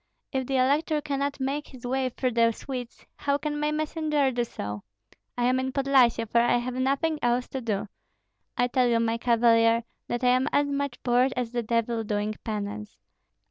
If the elector cannot make his way through the Swedes, how can my messenger do so? I am in Podlyasye, for I have nothing else to do. I tell you, my cavalier, that I am as much bored as the devil doing penance.